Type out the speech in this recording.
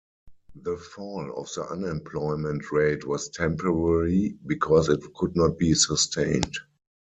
The fall of the unemployment rate was temporary because it could not be sustained.